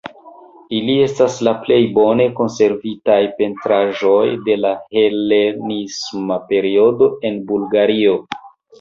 Ili estas la plej bone konservitaj pentraĵoj de la helenisma periodo en Bulgario.